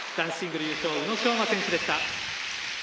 男子シングル優勝の宇野昌磨選手でした。